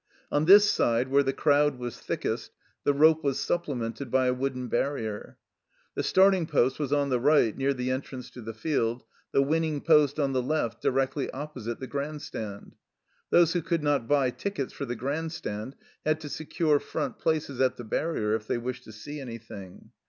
On this side, where the crowd was thickest, the rope was supplemented by a wooden barrier. The starling post was on the right near the en trance to the field; the winning post on the left directly opposite the Grand Stand. Those who could not buy tickets for the Grand Stand had to secure front places at the barrier if they wished to see anything.